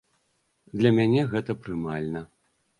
Для мяне гэта прымальна.